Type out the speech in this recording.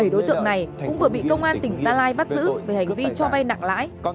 bảy đối tượng này cũng vừa bị công an tỉnh gia lai bắt giữ về hành vi cho vay nặng lãi